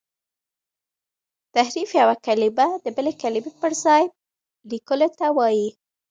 تحريف یو کلمه د بلي کلمې پر ځای لیکلو ته وايي.